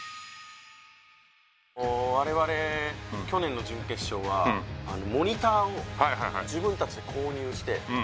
我々去年の準決勝はうんうんモニターを自分たちで購入してはい